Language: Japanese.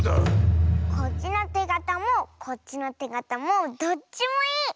こっちのてがたもこっちのてがたもどっちもいい！